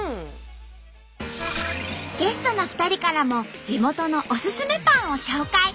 ゲストの２人からも地元のオススメパンを紹介！